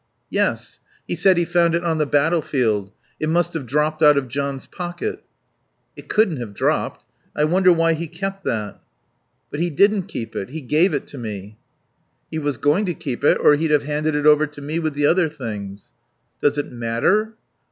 "Yes. He said he found it on the battlefield. It must have dropped out of John's pocket." "It couldn't have dropped.... I wonder why he kept that." "But he didn't keep it. He gave it to me." "He was going to keep it, or he'd have handed it over to me with the other things." "Does it matter?"